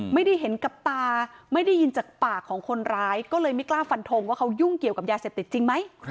ไม่ได้เห็นกับตาไม่ได้ยินจากปากของคนร้ายก็เลยไม่กล้าฟันทงว่าเขายุ่งเกี่ยวกับยาเสพติดจริงไหม